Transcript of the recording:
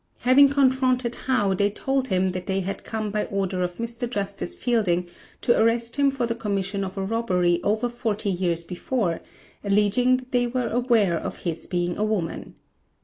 Having confronted How they told him that they had come by order of Mr. Justice Fielding to arrest him for the commission of a robbery over forty years before, alleging that they were aware of his being a woman.